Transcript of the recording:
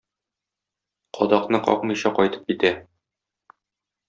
Кадакны какмыйча кайтып китә.